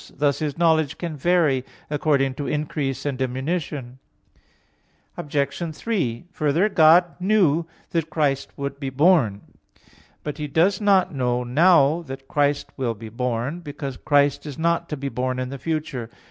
Thus His knowledge can vary according to increase and diminution. Obj. 3: Further, God knew that Christ would be born. But He does not know now that Christ will be born; because Christ is not to be born in the future.